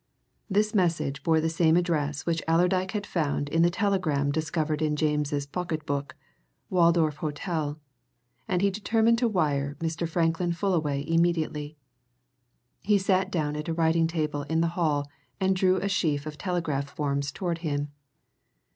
This message bore the same address which Allerdyke had found in the telegram discovered in James's pocket book Waldorf Hotel and he determined to wire Mr. Franklin Fullaway immediately. He sat down at a writing table in the hall and drew a sheaf of telegraph forms towards him.